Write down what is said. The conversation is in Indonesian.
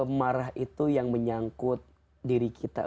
jadi kalau marah itu yang menyangkut diri kita